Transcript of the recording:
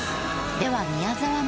では宮沢も。